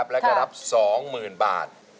และจะรับ๒๐๐๐บาท